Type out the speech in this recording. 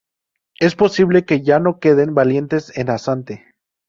Es posible que ya no queden valientes en Asante?